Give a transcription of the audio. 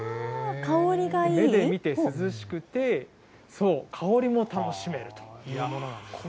目で見て涼しくて、そう、香りも楽しめるというものなんですね。